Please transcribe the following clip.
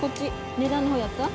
値段の方やった？